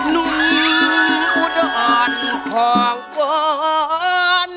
นุ่มอุดอ่อนขอแล้วอ้อน